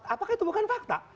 apakah itu bukan fakta